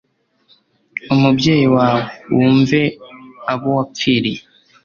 umubyeyi wawe, wumve abo wapfiriye